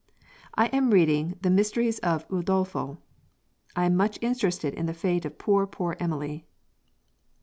I am reading the Mysteries of Udolpho. I am much interested in the fate of poor, poor Emily."